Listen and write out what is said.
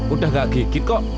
udah gak gigit kok